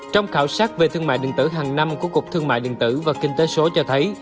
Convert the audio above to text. trong khảo sát về thương mại điện tử hàng năm của cục thương mại điện tử và kinh tế số cho thấy